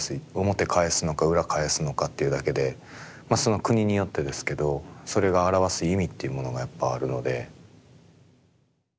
表返すのか裏返すのかっていうだけでまあその国によってですけどそれが表す意味というものがやっぱあるので。